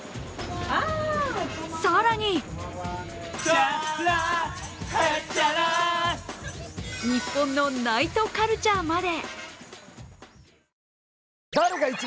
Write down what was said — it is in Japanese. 更に日本のナイトカルチャーまで。